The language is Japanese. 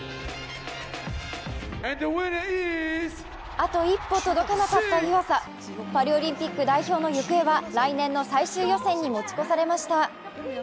あと一歩届かなかった湯浅パリオリンピック代表の行方は来年の最終予選に持ち越されました。